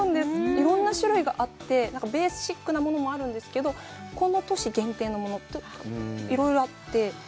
いろんな種類があって、ベーシックなものもあるんですけど、この年限定のものとか、いろいろあって。